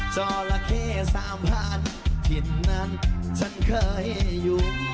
จอหละเข้สามพันที่นั้นฉันเคยอยู่มา